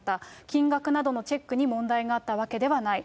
金額などのチェックに問題があったわけではない。